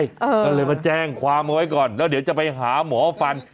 ก็เลยมาแจ้งความเอาไว้ก่อนแล้วเดี๋ยวจะไปหาหมอฟัน